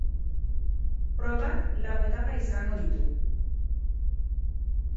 Probak lau etapa izango ditu.